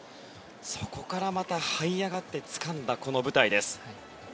そこから、またはい上がってつかんだこの舞台です。